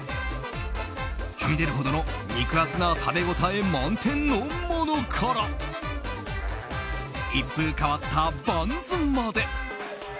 はみ出るほどの肉厚な食べ応え満点のものから一風変わったバンズまで。